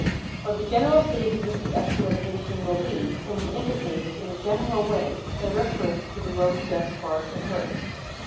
What the general stages of this actuaHsation will be can be indicated in a general way by reference to the road thus far traversed.